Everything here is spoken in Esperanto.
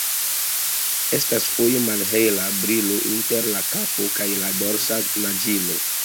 Estas foje malhela brilo inter la kapo kaj la dorsa naĝilo.